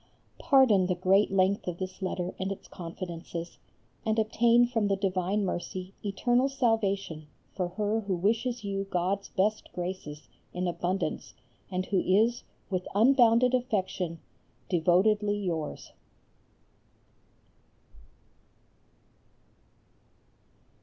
Pardon the great length of this letter and its confidences, and obtain from the divine Mercy eternal salvation for her who wishes you God's best graces in abundance and who is, with unbounded affection, Devotedly yours.